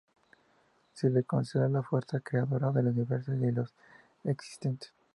Se lo considera la fuerza creadora del universo y de lo existente.